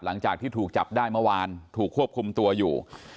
หลังจากที่ถูกจับได้เมื่อวานถูกควบคุมตัวอยู่